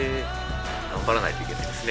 頑張らないといけないですね